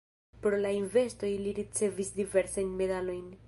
Pro la investoj li ricevis diversajn medalojn.